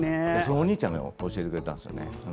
お兄ちゃんが教えてくれたんですよね。